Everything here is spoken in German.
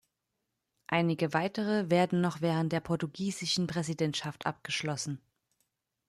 Einige weitere werden noch während der portugiesischen Präsidentschaft abgeschlossen.